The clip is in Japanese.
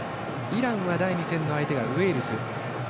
イランは第２戦の相手がウェールズ。